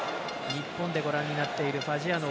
日本でご覧となっているファジアーノ